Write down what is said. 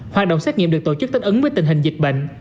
hoạt động xét nghiệm được tổ chức thích ứng với tình hình dịch bệnh